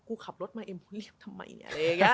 กูขับรถมาเอ็มพูดเรียบทำไมเนี่ย